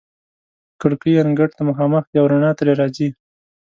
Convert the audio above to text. کړکۍ انګړ ته مخامخ دي او رڼا ترې راځي.